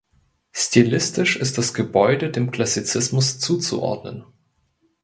Stilistisch ist das Gebäude dem Klassizismus zuzuordnen.